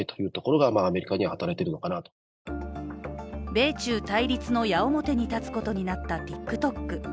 米中対立の矢面に立つことになったＴｉｋＴｏｋ。